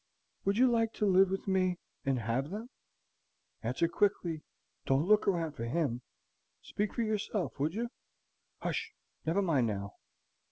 "Would you like to live with me and have them? Answer quickly. Don't look round for HIM. Speak for yourself. Would you? Hush; never mind now."